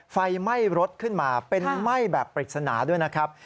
ไฟไหม้รถขึ้นมาเป็นไหม้แบบปริศนาด้วยนะครับ